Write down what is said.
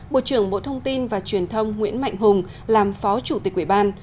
bộ trưởng bộ thông tin và truyền thông nguyễn mạnh hùng làm phó chủ tịch ủy ban